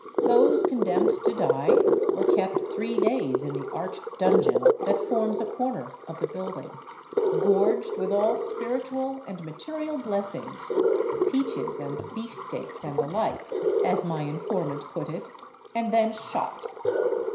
Those condemned to die were kept three days in the arched dungeon that forms a corner of the building, " gorged with all spiritual and material blessings — peaches and beefsteaks and the like," as my, informant put it, and then shot.